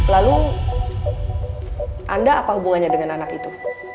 lalu anda apa hubungannya dengan anak itu